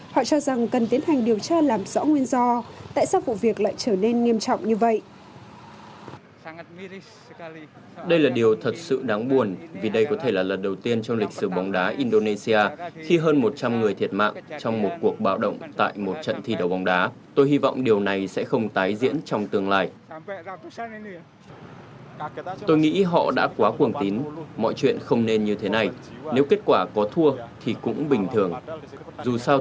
họ cho rằng cần tiến hành điều tra làm rõ nguyên do tại sao vụ việc lại trở nên nghiêm trọng như vậy